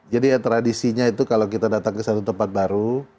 jadi tradisinya itu kalau kita datang ke satu tempat baru